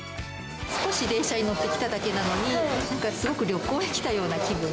少し電車に乗って来ただけなのに、すごく旅行に来たような気分。